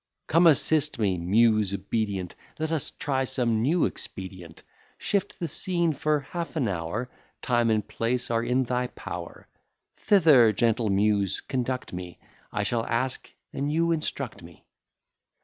Come, assist me, Muse obedient! Let us try some new expedient; Shift the scene for half an hour, Time and place are in thy power. Thither, gentle Muse, conduct me; I shall ask, and you instruct me.